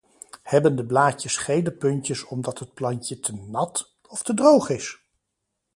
Hebben de blaadjes gele puntjes omdat het plantje te nat, of te droog is?